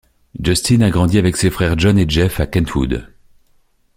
Justin a grandi avec ses frères John et Jeff à Kentwood.